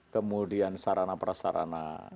kemudian sarana persarana